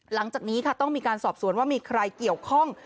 หลังจากนี้ค่ะต้องมีการสอบสวนว่ามีใครเกี่ยวข้อง